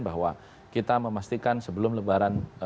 bahwa kita memastikan sebelum lebaran